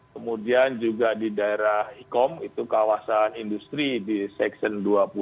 kemudian juga di daerah hikom itu kawasan industri di seksen dua puluh dua